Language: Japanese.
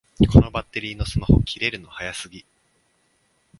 このスマホのバッテリー切れるの早すぎ